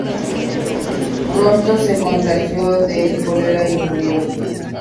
Pronto se contagió del cólera y murió.